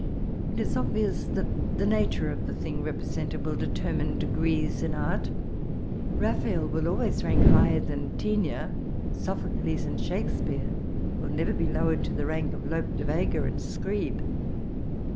It is obvious that the na ture of the thing represented will determine degrees in art Raphael will alwavs rank higher than Ten iers ; Sophocles and Shakespeare will never be lowered to the rank of Lope de Yega and Scribe.